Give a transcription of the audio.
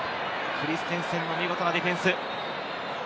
クリステンセンの見事なディフェンス。